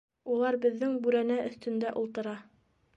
Улар беҙҙең бүрәнә өҫтөндә ултыра.